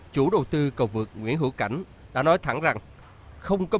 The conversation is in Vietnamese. chủ đầu tư cầu vượt nguyễn hữu cảnh đã nói thẳng rằng